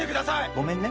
ごめんね。